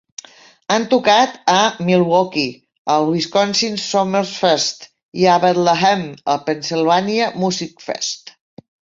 Han tocat a Milwaukee, al Wisconsin's Summerfest i a Bethlehem, al Pennsilvània Musikfest.